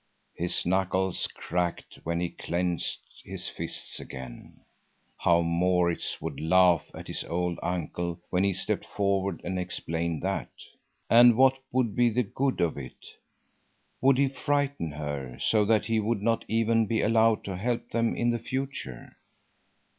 His knuckles cracked when he clenched his fists again. How Maurits would laugh at his old uncle when he stepped forward and explained that! And what would be the good of it? Would he frighten her, so that he would not even be allowed to help them in the future?